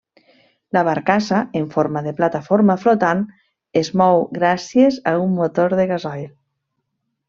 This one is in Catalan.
La barcassa, en forma de plataforma flotant, es mou gràcies a un motor de gasoil.